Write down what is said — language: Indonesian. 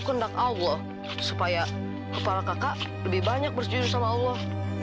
kehendak allah supaya kepala kakak lebih banyak bersedia sama allah